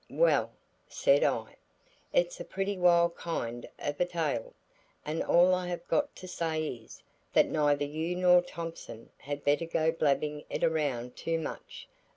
"Well," said I, "it's a pretty wild kind of a tale, and all I have got to say is, that neither you nor Thompson had better go blabbing it around too much.